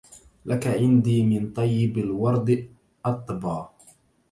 لك عندي من طيب الورد أطبا